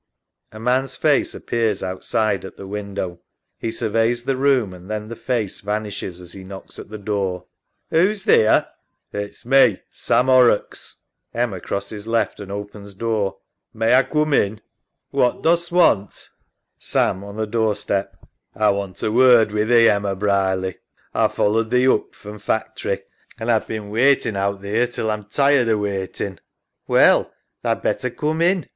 A man's face appears outside at the window. He surveys the room, and then the face vanishes as he knocks at the door) Who's theer? SAM {without). It's me, Sam Horrocks. {Emma crosses left and opens door) May A coom in? EMMA. What dost want? 294 LONESOME LIKE SAM {on the doorstep). A want a word wi' thee, Emma Brierly. A followed thee oop from factory and A've bin waitin' out theer till A'm tired o' waitin'. EMMA. Well, tha'd better coom in.